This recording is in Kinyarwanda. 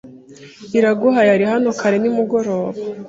Iraguha yari hano kare nimugoroba.